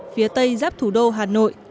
phía tây giáp thủ đô hà nội